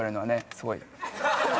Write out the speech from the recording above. すごい。